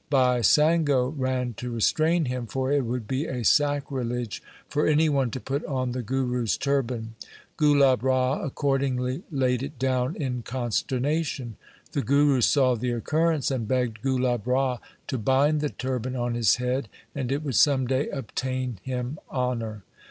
Bhai Sango ran to restrain him, for it would be a sacrilege for any one to put on the Guru's turban. Gulab Rai accordingly laid it down in consternation. The Guru saw the occurrence and begged Gulab Rai to bind the turban on his head, and it would some day obtain him honour.